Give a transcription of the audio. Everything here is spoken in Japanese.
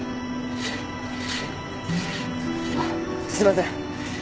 あっすいません。